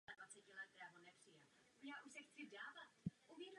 Totéž se naštěstí nedá říci o Maďarsku, Estonsku nebo Rumunsku.